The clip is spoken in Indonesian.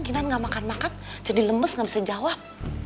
kinar ga makan makan jadi lemes ga bisa jawab